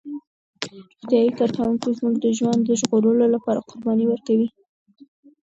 روغتیايي کارکوونکي زموږ د ژوند د ژغورلو لپاره قرباني ورکوي.